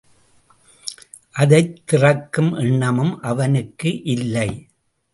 அதைத் திறக்கும் எண்ணமும் அவனுக்கு இல்லை.